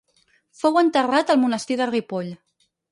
Fou enterrat al monestir de Ripoll.